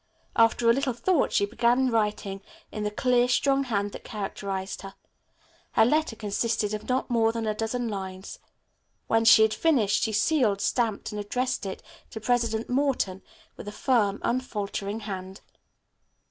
After a little thought she began writing in the clear, strong hand that characterized her. Her letter consisted of not more than a dozen lines. When she had finished she sealed, stamped, and addressed it to President Morton with a firm, unfaltering hand.